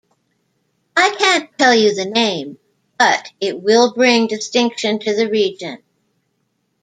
I can't tell you the name, but it will bring distinction to the region.